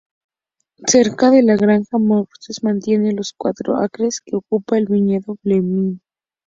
Cerca de la granja, Matthews mantiene los cuatro acres que ocupa el viñedo Blenheim.